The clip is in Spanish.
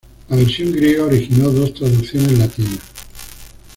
La versión griega originó dos traducciones latinas.